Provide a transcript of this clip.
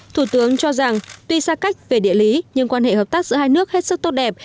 thủ tướng cho rằng tuy xa cách về địa lý nhưng quan hệ hợp tác giữa hai nước hết sức tốt đẹp